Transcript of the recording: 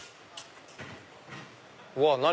うわっ何？